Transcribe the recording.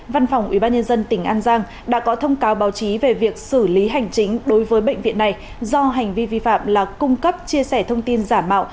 văn phòng ubnd tỉnh an giang đã có thông cáo báo chí về việc xử lý hành chính đối với bệnh viện này do hành vi vi phạm là cung cấp chia sẻ thông tin giả mạo